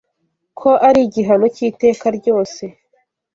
ko ari igihano cy’iteka ryose